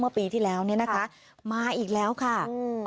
ปีที่แล้วเนี่ยนะคะมาอีกแล้วค่ะอืม